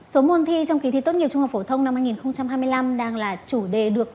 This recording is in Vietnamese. số môn thi trong kỳ thi tốt nghiệp trung học phổ thông năm hai nghìn hai mươi năm đang là chủ đề được